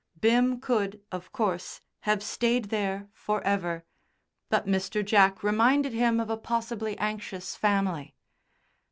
Bim could, of course, have stayed there for ever, but Mr. Jack reminded him of a possibly anxious family.